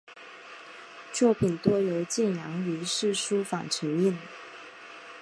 作品多由建阳余氏书坊承印。